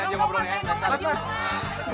apa kembar artis film juga mbak